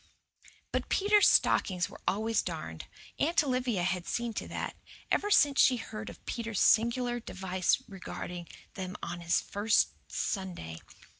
But Peter's stockings were always darned. Aunt Olivia had seen to that, ever since she heard of Peter's singular device regarding them on his first Sunday.